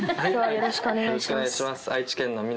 よろしくお願いします。